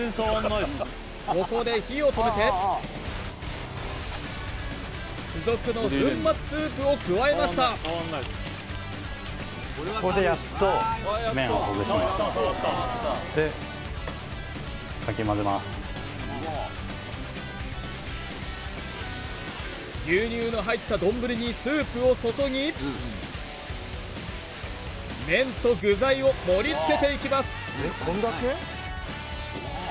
ここで火を止めて付属の粉末スープを加えました牛乳の入った丼にスープを注ぎ麺と具材を盛り付けていきます